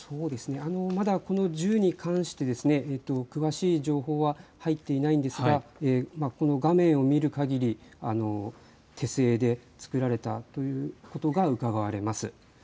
まだこの銃に関して詳しい情報は入っていないんですが画面を見るかぎり手製で作られたということがうかがわれます。